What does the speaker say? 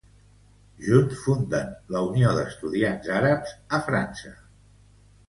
Junts funden la Unió d'Estudiants Àrabs a França.